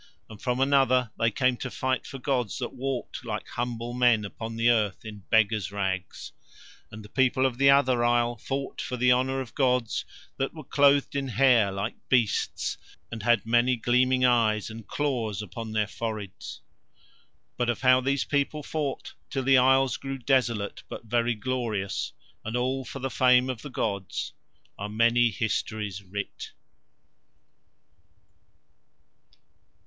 And from another they came to fight for gods that walked like humble men upon the earth in beggars' rags; and the people of the other isle fought for the honour of gods that were clothed in hair like beasts; and had many gleaming eyes and claws upon their foreheads. But of how these people fought till the isles grew desolate but very glorious, and all for the fame of the gods, are many histories writ.